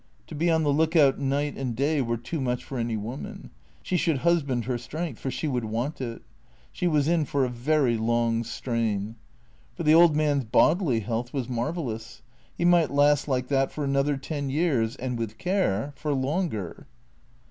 To be on the look out night and day were too much for any woman. She should husband her strength, for she would want it. She was in for a very long strain. For the old man's bodily health was marvellous. He might last like that for another ten years, and, with care, for longer.